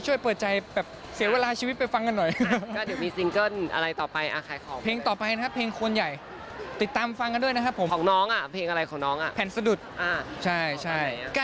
เปิดใจแบบเสียเวลาชีวิตไปฟังกันหน่อย